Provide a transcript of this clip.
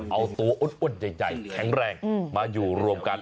เอาตัวอ้วนใหญ่แข็งแรงมาอยู่รวมกัน